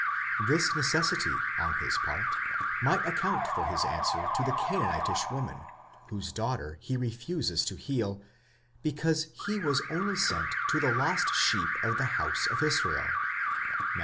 This necessity on his part might account for his answer to the Canaanitish woman, whose daughter he refuses to heal, because he was only sent to the lost sheep of the house of Israel (Matt.